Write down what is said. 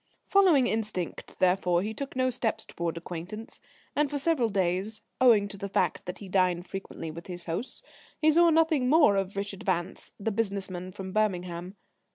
Following instinct, therefore, he took no steps towards acquaintance, and for several days, owing to the fact that he dined frequently with his hosts, he saw nothing more of Richard Vance, the business man from Birmingham.